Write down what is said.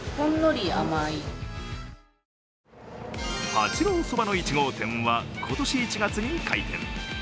八郎そばの１号店は今年１月に開店。